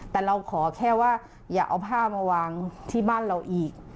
แต่เราขอแค่ว่าอย่าเอาผ้ามาวางที่บ้านเราอีก